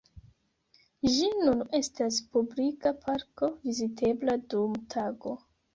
Ĝi nun estas publika parko vizitebla dum tago.